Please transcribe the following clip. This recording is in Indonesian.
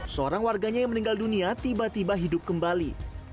seorang warganya yang meninggal dunia tiba tiba hidup kembali